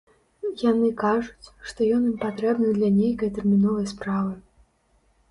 Яны кажуць, што ён ім патрэбны для нейкай тэрміновай справы.